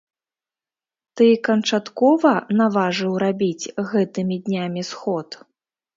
Ты канчаткова наважыў рабіць гэтымі днямі сход?